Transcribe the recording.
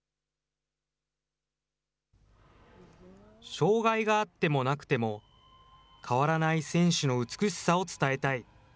障害があってもなくても、変わらない選手の美しさを伝えたい。